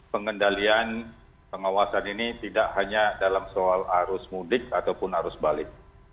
pengendalian pengawasan ini tidak hanya dalam soal arus mudik ataupun arus balik